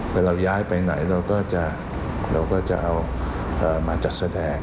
เวลาย้ายไปไหนเราก็จะเอามาจัดแสดง